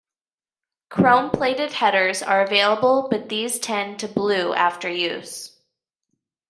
Chrome plated headers are available but these tend to blue after use.